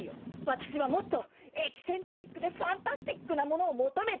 わたしはもっとエキセントリックでファンタスティックなものをもとめているの！